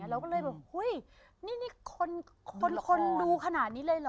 เราก็เลยแบบเฮ้ยนี่คนดูขนาดนี้เลยเหรอ